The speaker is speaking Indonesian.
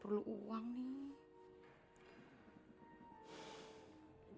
pak aku perlu uang nih